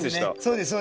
そうですね。